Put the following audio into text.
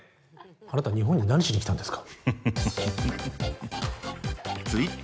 あなた日本に何しに来たんですか？